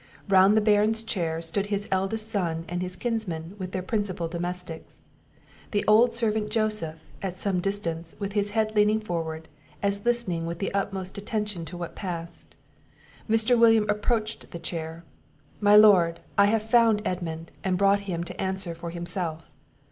Round the Baron's chair stood his eldest son and his kinsmen, with their principal domestics. The old servant, Joseph, at some distance, with his head leaning forward, as listening with the utmost attention to what passed. Mr. William approached the chair. "My Lord, I have found Edmund, and brought him to answer for himself."